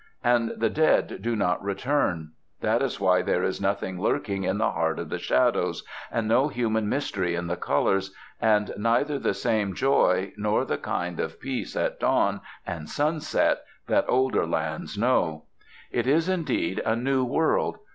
And the dead do not return. That is why there is nothing lurking in the heart of the shadows, and no human mystery in the colours, and neither the same joy nor the kind of peace in dawn and sunset that older lands know. It is, indeed, a new world.